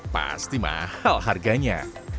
pasti mahal harganya